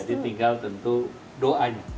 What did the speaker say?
jadi tinggal tentu doanya